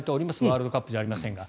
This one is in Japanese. ワールドカップじゃありませんが。